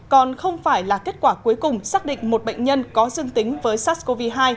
còn không phải là kết quả cuối cùng xác định một bệnh nhân có dương tính với sars cov hai